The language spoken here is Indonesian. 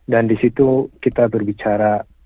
dan disitu kita berbicara